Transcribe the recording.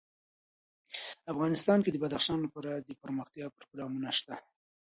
افغانستان کې د بدخشان لپاره دپرمختیا پروګرامونه شته.